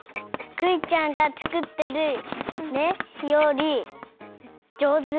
クイちゃんがつくってるりょうりじょうず！